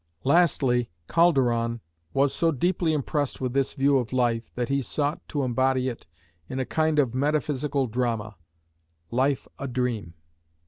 Lastly, Calderon was so deeply impressed with this view of life that he sought to embody it in a kind of metaphysical drama—"Life a Dream."